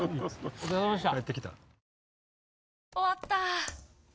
お疲れさまでした。